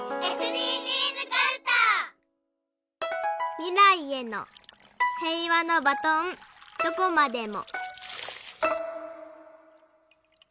「みらいへの平和のバトンどこまでも」。